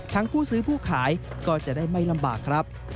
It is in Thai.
ผู้ซื้อผู้ขายก็จะได้ไม่ลำบากครับ